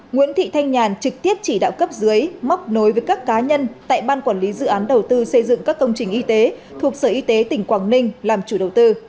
nguyễn thị thanh nhàn trực tiếp chỉ đạo cấp dưới móc nối với các cá nhân tại ban quản lý dự án đầu tư xây dựng các công trình y tế thuộc sở y tế tỉnh quảng ninh làm chủ đầu tư